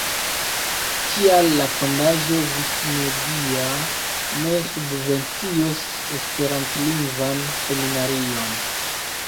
Tial la fondaĵo Vikimedia ne subvencios esperantlingvan seminarion.